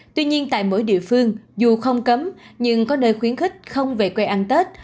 tuy nhiên tại mỗi địa phương dù không cấm nhưng có nơi khuyến khích không về quê ăn tết